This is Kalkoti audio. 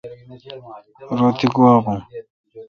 رو تی گوا بون۔